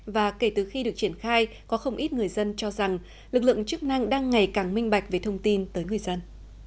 và kể từ khi được triển khai có không ít người dân cho rằng lực lượng chức năng đang ngày càng minh bạch về thông tin tới người dân